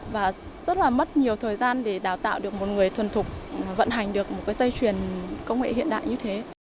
và rất là mất nhiều thời gian để đào tạo được một người thuần thục vận hành được một cái dây chuyền công nghệ hiện đại như thế